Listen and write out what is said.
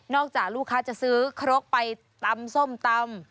จากลูกค้าจะซื้อครกไปตำส้มตำ